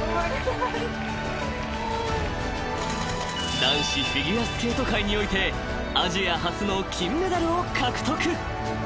［男子フィギュアスケート界においてアジア初の金メダルを獲得］